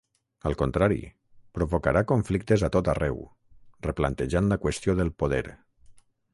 Al contrari: provocarà conflictes a tot arreu, replantejant la qüestió del poder.